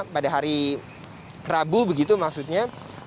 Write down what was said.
pada hari rabu begitu maksudnya